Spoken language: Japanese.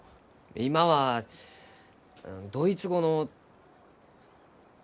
今はドイツ語の。